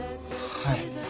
はい。